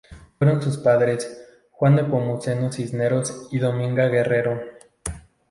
Fueron sus padres Juan Nepomuceno Cisneros y Dominga Guerrero.